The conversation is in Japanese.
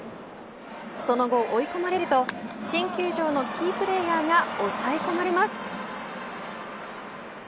その後追い込まれると新球場のキープレーヤーが抑え込まれます。